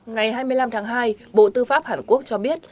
ngày hai mươi năm tháng hai bộ tư pháp hàn quốc cho biết